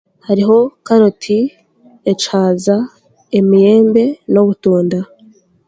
Hariho karoti ekihaaza, emiyembe n'obutunda